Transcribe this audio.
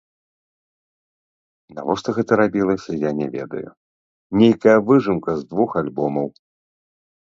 Навошта гэта рабілася, я не ведаю, нейкая выжымка з двух альбомаў.